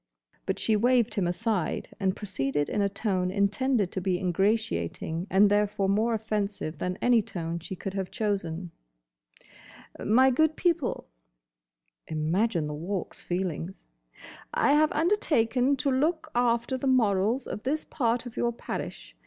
But she waved him aside and proceeded in a tone intended to be ingratiating, and therefore more offensive than any tone she could have chosen, "My good people"—imagine the Walk's feelings!—"I have undertaken to look after the morals of this part of your parish.